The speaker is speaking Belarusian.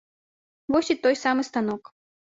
Вось і той самы станок.